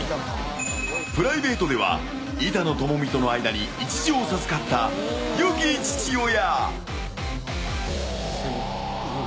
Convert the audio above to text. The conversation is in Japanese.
プライベートでは板野友美との間に１児を授かったよき父親。